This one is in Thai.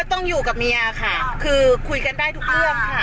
ต้องอยู่กับเมียค่ะคือคุยกันได้ทุกเรื่องค่ะ